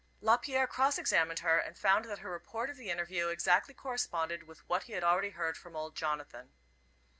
Lapierre cross examined her, and found that her report of the interview exactly corresponded with what he had already heard from old Jonathan.